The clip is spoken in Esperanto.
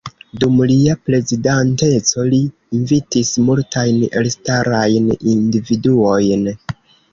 Dum lia prezidanteco li invitis multajn elstarajn individuojn.